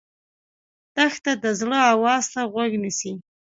دښته د زړه آواز ته غوږ نیسي.